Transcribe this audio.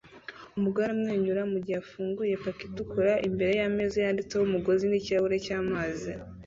Umugore aramwenyura mugihe afunguye paki itukura imbere yameza yanditseho umugozi nikirahure cyamazi